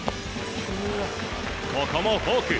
ここもフォーク。